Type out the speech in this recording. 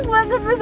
wah siapin mas